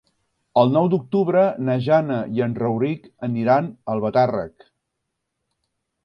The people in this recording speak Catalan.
El nou d'octubre na Jana i en Rauric aniran a Albatàrrec.